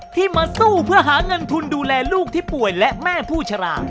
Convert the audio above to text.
ที่มาสู้เพื่อหาเงินทุนดูแลลูกที่ป่วยและแม่ผู้ชรา